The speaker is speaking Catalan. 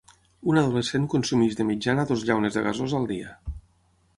Un adolescent consumeix de mitjana dues llaunes de gasosa al dia.